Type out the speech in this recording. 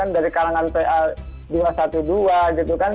dari kalangan pa dua ratus dua belas